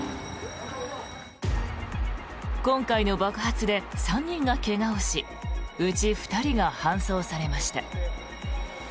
今回の爆発で３人が怪我をしうち２人が搬送されました。